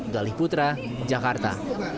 galih putra jakarta